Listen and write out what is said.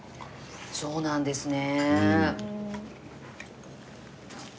そうなんですね。